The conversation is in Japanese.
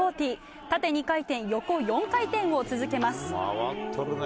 縦２回転、横４回転を続けます。